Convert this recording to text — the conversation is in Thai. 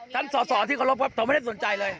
ท่านส่อที่ขอรบครับผมไม่ได้สนใจเลย